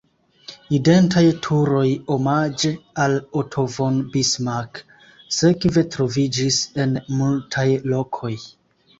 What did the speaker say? Identaj turoj omaĝe al Otto von Bismarck sekve troviĝis en multaj lokoj.